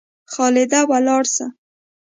خالده ولاړ سه!